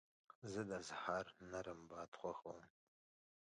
زه د سهار نرم باد خوښوم.